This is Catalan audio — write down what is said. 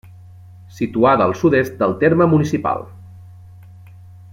Situada al sud-est del terme municipal.